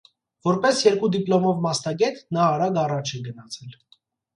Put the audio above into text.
Որպես երկու դիպլոմով մասնագետ՝ նա արագ առաջ է գնացել։